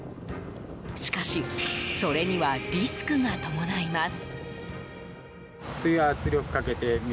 しかし、それにはリスクが伴います。